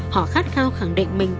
họ khát khao khẳng định mình